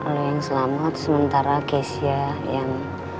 lo yang selamat sementara kezia yang